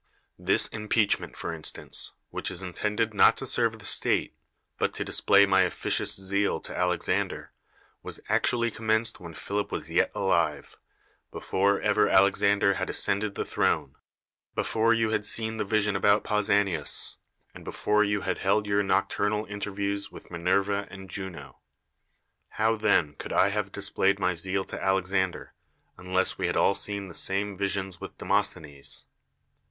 This impeachment, for instance, which is intended not to serve the state, but to display my officious zeal to Alexan der, was actually commenced Avliile Philip was yet alive, before ever Alexander had ascended the throne, before you had seen the vision about Pausanias, and before you had held your noc turnal inteiwiews with ]\linerva and Juno. How then could I have displayed my zeal to Alexan der, unless we had all seen the same visions with Demosthenes?